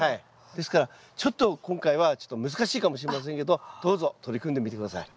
ですからちょっと今回はちょっと難しいかもしれませんけどどうぞ取り組んでみて下さい。